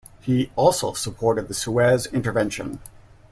He also supported the Suez intervention.